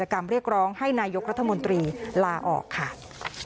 หลบทันหลบทันเหรอไม่โดนเหรอ